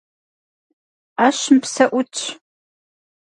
Ӏэщым псэ ӏутщ.